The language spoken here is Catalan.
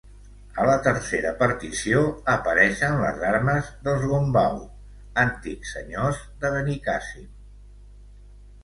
A la tercera partició apareixen les armes dels Gombau, antics senyors de Benicàssim.